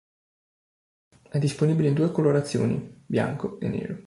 È disponibile in due colorazioni: bianco e nero.